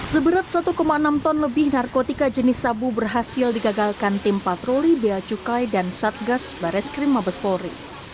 seberat satu enam ton lebih narkotika jenis sabu berhasil digagalkan tim patroli beacukai dan satgas baris krim mabespori